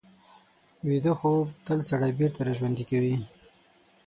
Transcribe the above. ویده خوب تل سړی بېرته راژوندي کوي